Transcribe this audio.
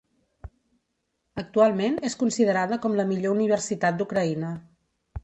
Actualment és considerada com la millor universitat d'Ucraïna.